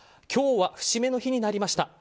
今日は節目の日になりました。